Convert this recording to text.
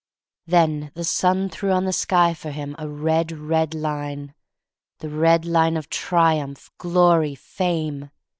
Then the sun threw on the sky for him a red, red line— the red line of Triumph, Glory, Fame!